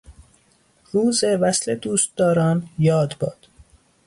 روز وصل دوستداران یاد باد